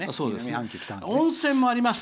「温泉もあります。